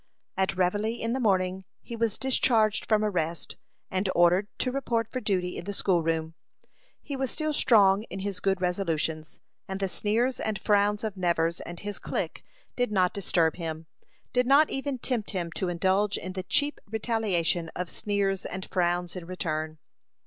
At reveille, in the morning, he was discharged from arrest, and ordered to report for duty in the school room. He was still strong in his good resolutions, and the sneers and frowns of Nevers and his clique did not disturb him did not even tempt him to indulge in the cheap retaliation of sneers and frowns in return.